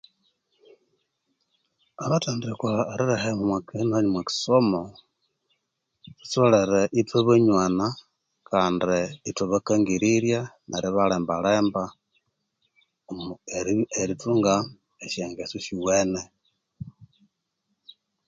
Abathendekwa erilehema mu nani omwa kyisomo thutholere ithwa banywana kandi ithwabakangirirya neri balemba lemba omu omu erithunga esya ngeso esiwene